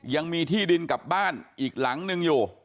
ยังมีที่ดินกับบ้านอีกหลังนึงอยู่